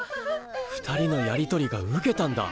２人のやり取りがウケたんだ。